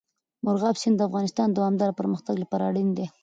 مورغاب سیند د افغانستان د دوامداره پرمختګ لپاره اړین دی.